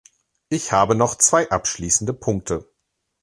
Ich habe noch zwei abschließende Punkte.